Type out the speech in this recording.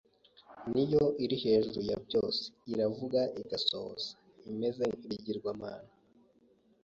niyo iri hejuru ya byose, iravuga igasohoza, ntimeze nk’ibigirwamana,